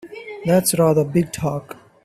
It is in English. That's rather big talk!